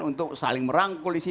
untuk saling merangkul